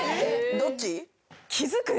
どっち？